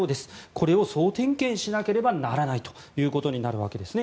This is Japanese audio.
これを総点検しなければならないことになるわけです。